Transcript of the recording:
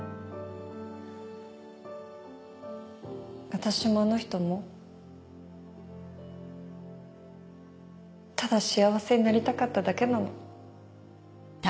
私もあの人もただ幸せになりたかっただけなの。